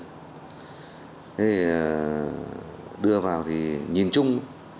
thế thì đưa vào thì nhìn chung